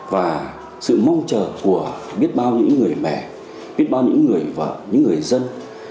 và sự mong chờ của biết bao những người mẹ biết bao những người vợ những người dân